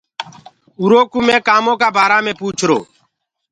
اُرو ڪوُ مي ڪآمونٚ ڪآ بآرآ مي پوُڇرو۔